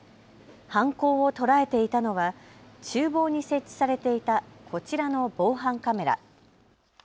犯行を捉えていたのはちゅう房に設置されていたこちらの防犯カメラ。